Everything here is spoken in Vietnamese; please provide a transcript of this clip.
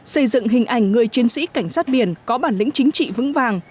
xây dựng hình ảnh người chiến sĩ cảnh sát biển có bản lĩnh chính trị vững vàng